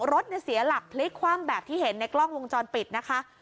รถเสียหลักพลิกคว่ำแบบที่เห็นในกล้องวงจรปิดนะคะ